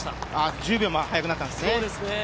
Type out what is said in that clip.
１０秒も速くなったんですね。